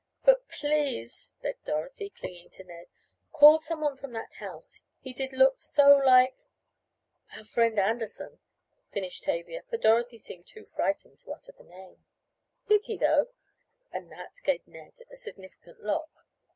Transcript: "But please!" begged Dorothy, clinging to Ned. "Call someone from that house. He did look so like " "Our friend Anderson," finished Tavia, for Dorothy seemed too frightened to utter the name. "Did he though?" and Nat gave Ned a significant look.